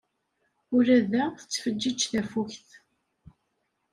Ula da tettfeǧǧiǧ tafukt.